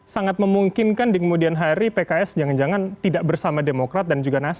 sangat memungkinkan di kemudian hari pks jangan jangan tidak bersama demokrat dan juga nasdem